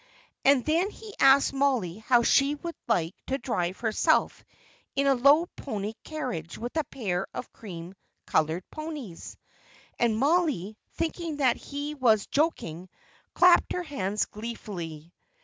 And then he asked Mollie how she would like to drive herself in a low pony carriage with a pair of cream coloured ponies. And Mollie, thinking that he was joking, clapped her hands gleefully.